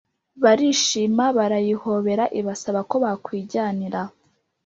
barishima, barayihobera, ibasaba ko bakwijyanira.